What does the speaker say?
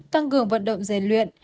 tăng cường vận động dền luyện